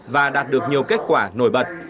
và đạt được nhiều kết quả nổi bật